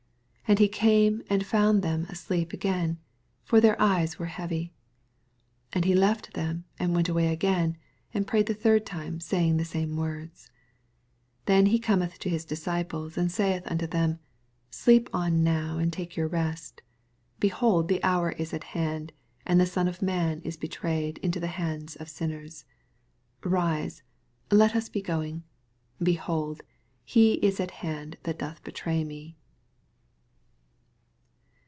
48 And he came and foand then asleep again: for their eyes were heavy. 44 And he left them, and went away again, and prayed the thinl time, say ing the same words. 45 Then he cometh to his disciples, id saith unto them, Sleep on now, and take j^aur rest : hehold, the hour and saith unto them, Sleep on now, \your is at hand., and the Son of man is he trayed into the hands of sinners. 46 Bise, let us he going: heholc is at hand that doth oetny me.